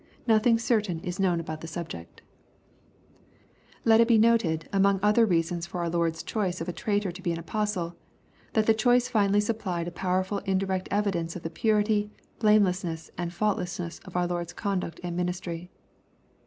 Nothing certain is known about Iha iubject. 176 BXPOSITOBT THOUGHTS. Let it be noted, among other reasons for inr Lord's choice of a traitor to be an apostle, that the choice finally supplied a powerfiil indirect evidence of the purity, blamelessness, and &ultles8ne8S of our Lord's conduct and ministry.